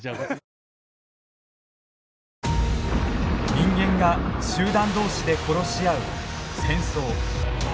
人間が集団同士で殺し合う戦争。